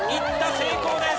成功です。